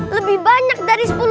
lebih banyak dari sepuluh